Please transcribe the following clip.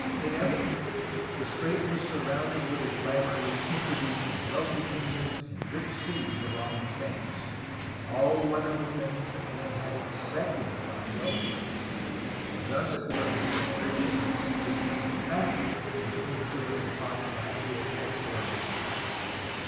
In evitably the strait was surrounded with a glamor which in troduced wealthy kingdoms and rich cities along its banks — 70 NORTHERN MYSTERY— DISCOVERY OF ALTA CALIFORNIA 7 1 all the wonderful things that men had expected to find else where. Thus it was that fiction became fact in its influence upon actual explorations.